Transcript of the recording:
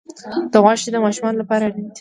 د غوا شیدې د ماشومانو لپاره اړینې دي.